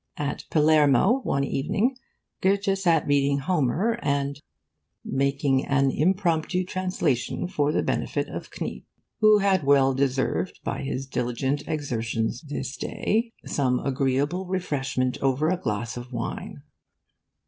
At Palermo, one evening, Goethe sat reading Homer and 'making an impromptu translation for the benefit of Kniep, who had well deserved by his diligent exertions this day some agreeable refreshment over a glass of wine.